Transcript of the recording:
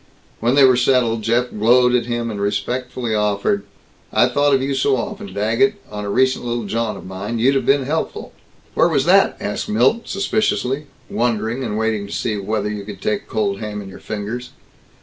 When they were settled, Jeff glowed at him, and respectfully offered, "I thought of you so often, Daggett, on a recent little jaunt of mine. You'd have been helpful." "Where was that?" asked Milt suspiciously (wondering, and waiting to see, whether you could take cold ham in your fingers).